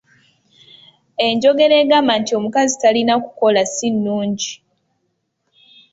Enjogera egamba nti omukazi tayina kukola si nnungi.